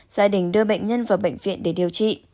gia đình đưa bệnh nhân vào bệnh viện để điều trị